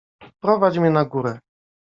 Prowadź mnie na górę.